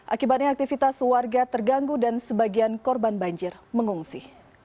akibatnya aktivitas warga terganggu dan sebagian korban banjir mengungsi